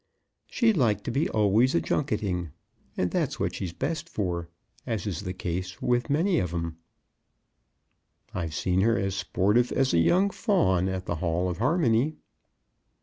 She'd like to be always a junketing, and that's what she's best for, as is the case with many of 'em." "I've seen her as sportive as a young fawn at the Hall of Harmony."